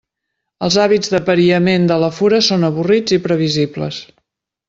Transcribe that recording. Els hàbits d'apariament de la fura són avorrits i previsibles.